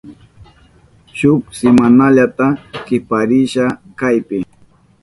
Shuk simanallata kiparisha kaypi.